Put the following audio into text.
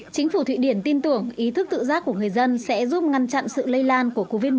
chính phủ thụy điển tin tưởng ý thức tự giác của người dân sẽ giúp ngăn chặn sự lây lan của covid một mươi chín